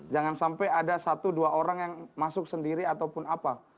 jangan sampai ada satu dua orang yang masuk sendiri ataupun apa